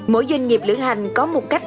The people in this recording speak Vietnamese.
mỗi doanh nghiệp lưỡng hành có một cách